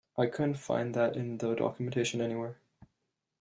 I couldn't find that in the documentation anywhere.